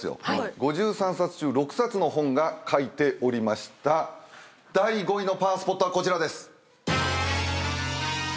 ５３冊中６冊の本が書いておりました第５位のパワースポットはこちらです。